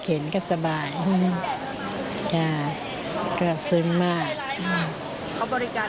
เขาบริการดีไหมคะ